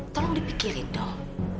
tolong dipikirin dong